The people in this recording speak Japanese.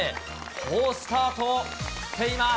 好スタートを切っています。